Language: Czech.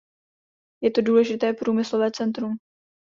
Je to důležité průmyslové centrum.